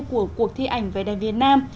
của cuộc thi ảnh về đèn việt nam